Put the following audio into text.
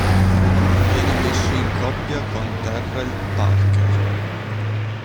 Viene messo in coppia con Terrell Parker.